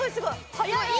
はやい！